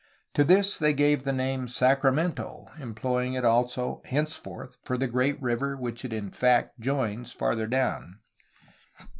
To this they gave the name "Sacra mento," employing it also, henceforth, for the great river which it in fact joins farther down.